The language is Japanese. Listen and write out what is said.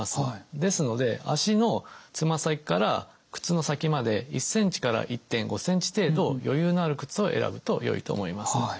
ですので足のつま先から靴の先まで１１．５センチ程度余裕のある靴を選ぶとよいと思います。